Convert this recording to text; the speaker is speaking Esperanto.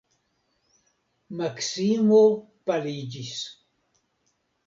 Maksimo paliĝis.